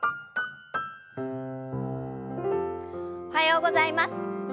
おはようございます。